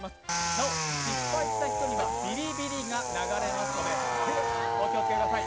なお失敗した人にはビリビリが流れますのでお気をつけください。